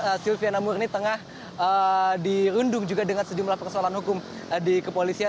dan meskipun sylvie namur ini tengah dirundung juga dengan sejumlah persoalan hukum di kepolisian